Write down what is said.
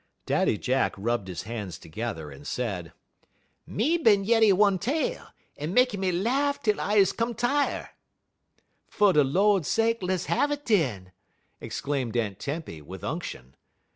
Daddy Jack rubbed his hands together, and said: "Me bin yeddy one tale; 'e mekky me lahff tel I is 'come tire'." "Fer de Lord sake less have it den!" exclaimed Aunt Tempy, with unction.